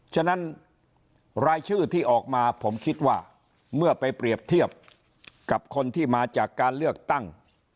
ฉะนั้นรายชื่อที่ออกมาผมคิดว่าเมื่อไปเปรียบเทียบกับคนที่มาจากการเลือกตั้ง